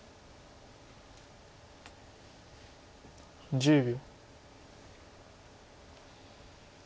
１０秒。